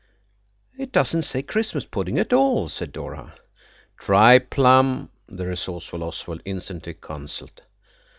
"It doesn't say Christmas pudding at all," said Dora. "Try plum," the resourceful Oswald instantly counselled.